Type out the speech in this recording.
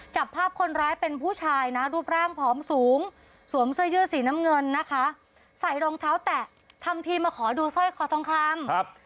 จับภาพคนร้ายเป็นผู้ชายนะรูปร่างผอมสูงสวมเสื้อยืดสีน้ำเงินนะคะใส่รองเท้าแตะทำทีมาขอดูสร้อยคอทองคำครับ